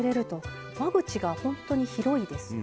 間口が本当に広いですよね。